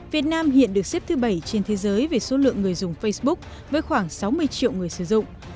việt nam hiện được xếp thứ bảy trên thế giới về số lượng người dùng facebook với khoảng sáu mươi triệu người sử dụng